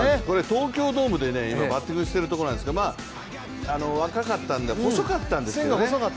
東京ドームでバッティングしているところなんですが、若かったんで細かったんですよね。